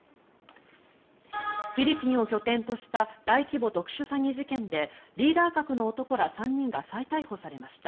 フィリピンを拠点とした大規模特殊詐欺事件でリーダー格の男ら３人が再逮捕されました。